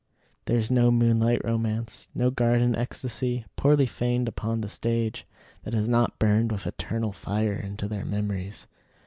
There is no moonlight romance, no garden ecstasy, poorly feigned upon the stage, that is not burned with eternal fire into their memories.